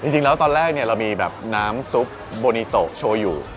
จริงแล้วตอนแรกเนี่ยเรามีแบบน้ำซุปบรูงในโต้โชว์อยู่